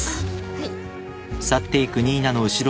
はい。